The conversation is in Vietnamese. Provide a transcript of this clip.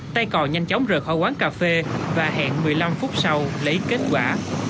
tai cò nhanh chóng rời khỏi quán cà phê và hẹn một mươi năm phút sau lấy kết quả